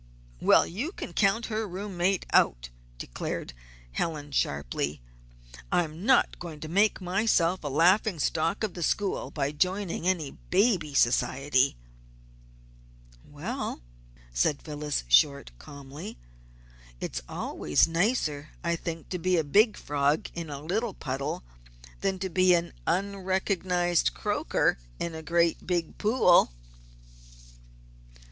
"Well, you can count her room mate out," declared Helen, sharply. "I am not going to make myself a laughing stock of the school by joining any baby society." "Well," said Phyllis Short, calmly. "It's always nicer, I think, to be a big frog in a little puddle than to be an unrecognised croaker in a great, big pool."